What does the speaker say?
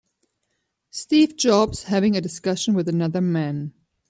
Steve Jobs having a discussion with another man.